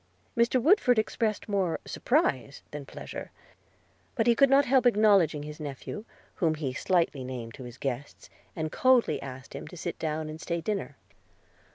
Mr. Woodford expressed more surprise than pleasure. But he could not help acknowledging his nephew, whom he slightly named to his guests, and coldly asked him to sit down and stay dinner.